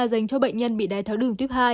dành cho bệnh nhân bị đài tháo đường tiếp hai